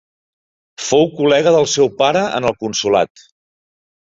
Fou col·lega del seu pare en el consolat.